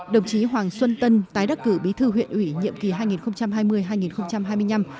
đồng chí hoàng xuân tân tái đắc cử bí thư huyện ủy nhiệm kỳ hai nghìn hai mươi hai nghìn hai mươi năm